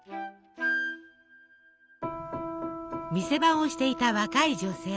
店番をしていた若い女性。